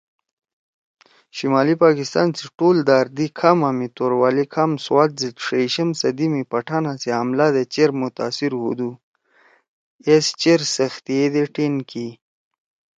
شمالی پاکستان سی ٹول داردی کھاما می توروالی کھام سوات زید ݜیئݜم صدی می پٹھانا سی حملہ دے چیر متاثر ہُودُو۔ ایس چیر سختیِے دے ٹین کی۔